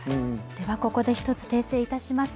ここで一つ訂正いたします。